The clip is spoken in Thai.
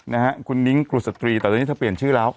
นะฮะคุณนิ้งกรุษตรีแต่ตอนนี้เธอเปลี่ยนชื่อแล้ว